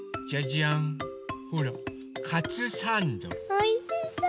おいしそう！